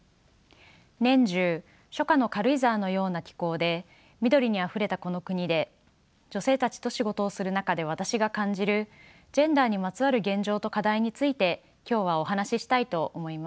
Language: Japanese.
年中初夏の軽井沢のような気候で緑にあふれたこの国で女性たちと仕事をする中で私が感じるジェンダーにまつわる現状と課題について今日はお話ししたいと思います。